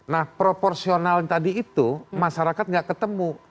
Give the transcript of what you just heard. nah proporsional tadi itu masyarakat nggak ketemu